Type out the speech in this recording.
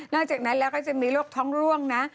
จากนั้นแล้วก็จะมีโรคท้องร่วงนะ